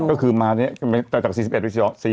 ก็คือมาตั้งแต่๔๑๔๒๔๓แล้ว